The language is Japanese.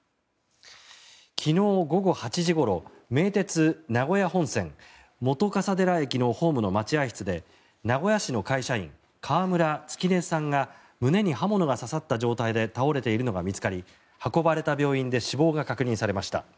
昨日午後８時ごろ名鉄名古屋本線本笠寺駅のホームの待合室で名古屋市の会社員川村月音さんが胸に刃物が刺さった状態で倒れているのが見つかり運ばれた病院で死亡が確認されました。